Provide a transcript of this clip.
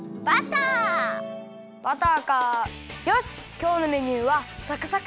きょうのメニューはサクサク！